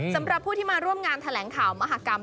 สำหรับผู้ที่มาร่วมงานแถลงข่าวมหากรรม